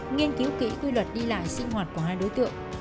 nghiên cứu kỹ quy luật đi lại sinh hoạt của hai đối tượng